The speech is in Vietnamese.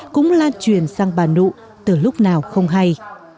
cũng lan truyền sang bà nụ từ lúc nào không hay